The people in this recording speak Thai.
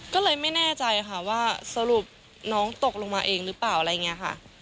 ก็เลยไม่แน่ใจค่ะว่าสรุปน้องตกลงมาเองหรือเปล่าอะไรอย่างนี้ค่ะ